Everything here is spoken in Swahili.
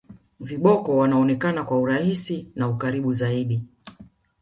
viboko wanaonekana kwa urahisi na ukaribu zaidi